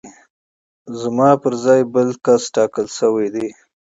زما په ځای بل کس ټاکل شوی دی